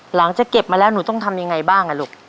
หลังจากเก็บมาแล้วหนูต้องทำยังไงบ้างลูก